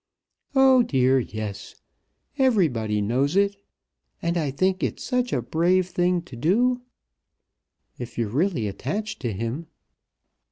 "Oh dear, yes. Everybody knows it. And I think it such a brave thing to do, if you're really attached to him!"